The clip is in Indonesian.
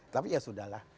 tapi ya sudah lah